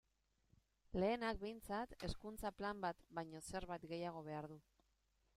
Lehenak, behintzat, Hezkuntza Plan bat baino zerbait gehiago behar du.